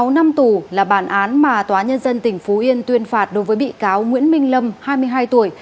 một mươi năm tù là bản án mà tòa nhân dân tỉnh phú yên tuyên phạt đối với bị cáo nguyễn minh lâm hai mươi hai tuổi